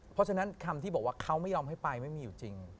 เพราะฉะนั้นคำที่บอกว่าเขาไม่ยอมให้ไปไม่มีอยู่จริง